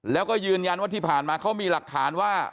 แล้วก็ยืนยันว่าที่ผ่านมาเขามีหลักฐานว่า